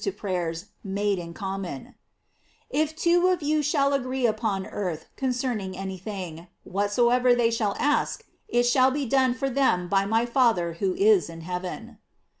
to prayers made in common: "If two of yo« shall agree upon earth concerning any thing, whatsoever they shall ask, it shall be done for them by my Father who is in heaven."